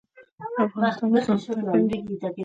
افغانستان به پرمختګ کوي